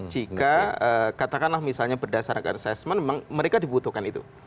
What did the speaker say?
jika katakanlah misalnya berdasarkan assessment mereka dibutuhkan itu